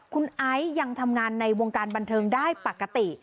คุณไอซ์ยังทำงานในวงการบันเทิงได้ปกติ